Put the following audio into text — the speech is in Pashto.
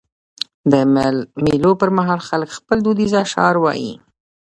د مېلو پر مهال خلک خپل دودیز اشعار وايي.